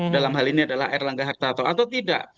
dalam hal ini adalah r langga hartarto atau tidak